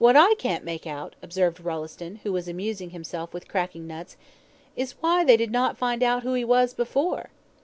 "What I can't make out," observed Rolleston, who was amusing himself with cracking nuts, "is why they did not find out who he was before."